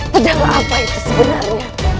pedang apa itu sebenarnya